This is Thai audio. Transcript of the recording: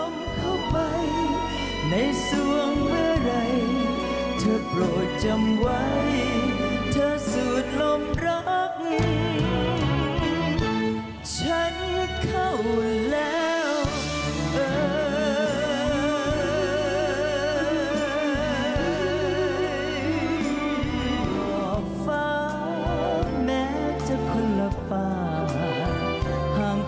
แม้จะคนละป่าห้ามไกลกันมาแต่เค้าฟ้าเดียวกัน